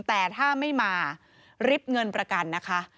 แต่ถ้าไม่มาริบเงินประกันนะคะ